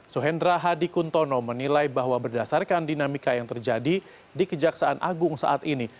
suhendra hadi kuntono menilai bahwa berdasarkan dinamika yang terjadi di kejaksaan agung saat ini